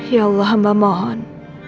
ya allah hamba mohon